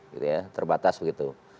gitu ya terbatas begitu